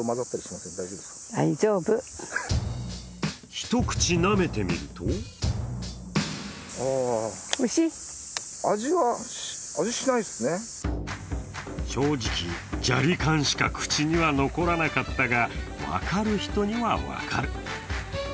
一口、なめてみると正直、砂利感しか口には残らなかったが分かる人には分かる。